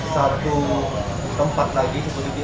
satu tempat lagi